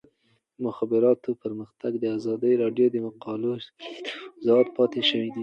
د مخابراتو پرمختګ د ازادي راډیو د مقالو کلیدي موضوع پاتې شوی.